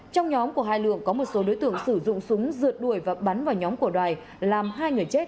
trong nhóm của hai lượng có một số đối tượng sử dụng súng dượt đuổi và bắn vào nhóm của đoài làm hai người chết và bốn người bị thương nặng